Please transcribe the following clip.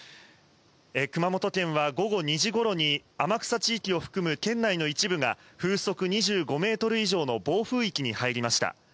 熊本県は午後２時ごろに、天草地域を含む県内の一部が風速２５メートル以上の暴風域に入りました。